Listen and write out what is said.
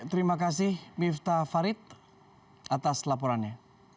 terima kasih miftah farid atas laporannya